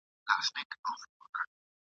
چي په کوڅو کي ګرځي ناولي !.